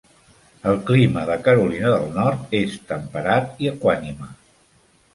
El clima de Carolina del Nord és temperat i equànime.